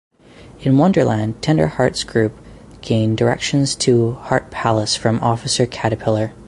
In Wonderland, Tenderheart's group gain directions to Heart Palace from Officer Caterpillar.